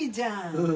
うん。